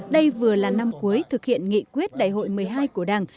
đây vừa là năm cuối thực hiện nghị quyết đại hội một mươi hai của đảng